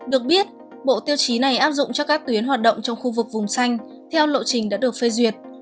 được biết bộ tiêu chí này áp dụng cho các tuyến hoạt động trong khu vực vùng xanh theo lộ trình đã được phê duyệt